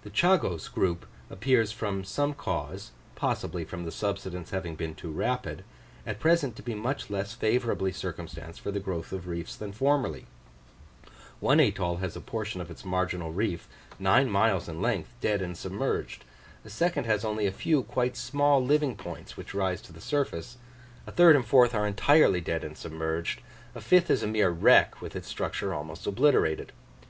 The Chagos group appears from some cause, possibly from the subsidence having been too rapid, at present to be much less favourably circumstanced for the growth of reefs than formerly: one atoll has a portion of its marginal reef, nine miles in length, dead and submerged; a second has only a few quite small living points which rise to the surface, a third and fourth are entirely dead and submerged; a fifth is a mere wreck, with its structure almost obliterated.